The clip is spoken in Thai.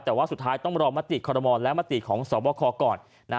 แต่ว่าสุดท้ายต้องรอมติคอรมอลและมติของสวบคก่อน